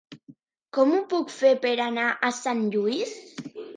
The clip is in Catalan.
Com ho puc fer per anar a Sant Lluís?